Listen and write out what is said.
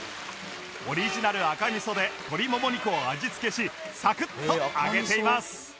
オリジナル赤味噌で鶏モモ肉を味付けしサクッと揚げています